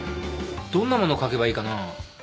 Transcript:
どんなもの描けばいいかな？